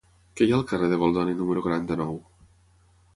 Què hi ha al carrer de Goldoni número quaranta-nou?